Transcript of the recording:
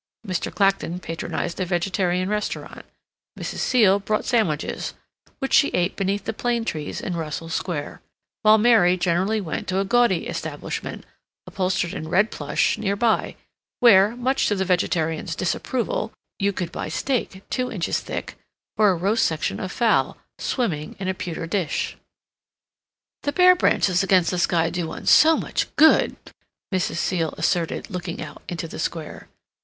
Mr. Clacton patronized a vegetarian restaurant; Mrs. Seal brought sandwiches, which she ate beneath the plane trees in Russell Square; while Mary generally went to a gaudy establishment, upholstered in red plush, near by, where, much to the vegetarian's disapproval, you could buy steak, two inches thick, or a roast section of fowl, swimming in a pewter dish. "The bare branches against the sky do one so much good," Mrs. Seal asserted, looking out into the Square.